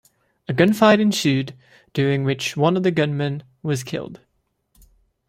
A gunfight ensued, during which one of the gunmen was killed.